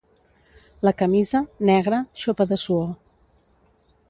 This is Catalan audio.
La camisa, negra, xopa de suor.